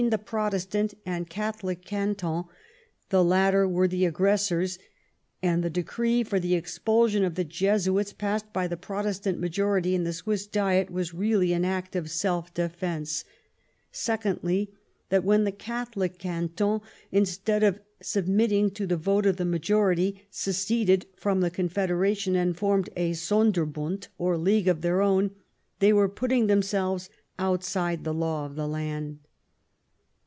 the Protestant and Oatholic cantons, the latter were the aggressors, and that the decree for the expalsion of the Jesuits passed by the Protestant majority in the S¥riss Diet was really an act of self defence ; secondly, that when the Oatholic cantons, instead of submitting to the TOte of the majority, seceded from the Confederation! and formed a Sonderbund or league of their own, they were putting themselves outside the law of the land.